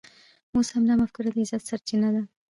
اوس همدا مفکوره د عزت سرچینه ده.